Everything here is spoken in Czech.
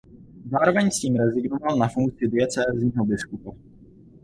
Zároveň s tím rezignoval na funkci diecézního biskupa.